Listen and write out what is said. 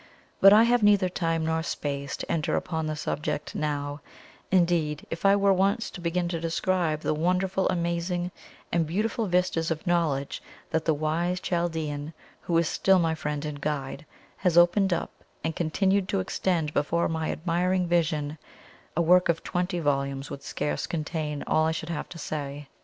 But I have neither time nor space to enter upon the subject now; indeed, if I were once to begin to describe the wonderful, amazing and beautiful vistas of knowledge that the wise Chaldean, who is still my friend and guide, has opened up and continues to extend before my admiring vision, a work of twenty volumes would scarce contain all I should have to say.